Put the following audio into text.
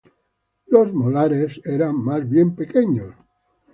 Los molares eran más bien pequeños.